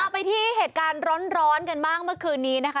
ไปที่เหตุการณ์ร้อนกันบ้างเมื่อคืนนี้นะคะ